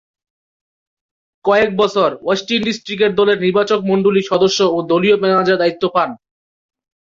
কয়েক বছর West Indies cricket দলের নির্বাচকমণ্ডলীর সদস্য ও দলীয় ম্যানেজারের দায়িত্ব পান।